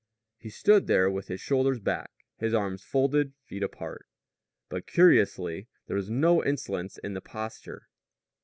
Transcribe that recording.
He stood there with his shoulders back, his arms folded, feet apart. But, curiously, there was no insolence in the posture.